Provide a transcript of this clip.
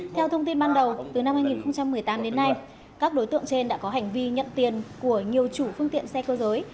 theo thông tin ban đầu từ năm hai nghìn một mươi tám đến nay các đối tượng trên đã có hành vi nhận tiền của nhiều chủ phương tiện xe cơ giới